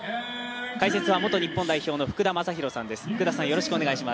解説は元日本代表の福田正博さんです。